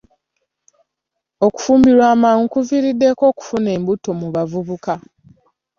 Okufumbirwa amangu kuviiriddeko okufuna embuto mu bavubuka.